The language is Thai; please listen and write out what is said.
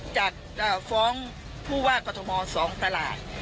จากฟ้องผู้ว่ากฎมอส์๒ตลาด